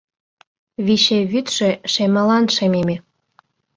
Виче вӱдшӧ шемылан шемеме.